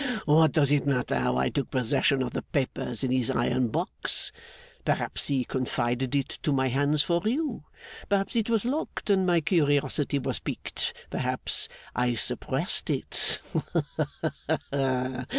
What does it matter how I took possession of the papers in his iron box? Perhaps he confided it to my hands for you, perhaps it was locked and my curiosity was piqued, perhaps I suppressed it. Ha, ha, ha!